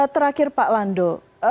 terakhir pak lando